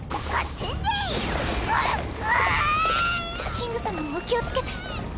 キング様もお気をつけて。